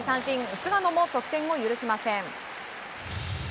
菅野も得点を許しません。